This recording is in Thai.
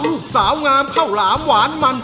ลูกสาวงามข้าวหลามหวานมัน